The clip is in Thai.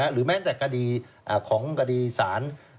หรือแม้แต่คดีของคดีศาล